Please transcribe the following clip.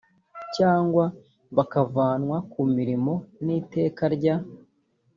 cyangwa bakavanwa ku mirimo n iteka rya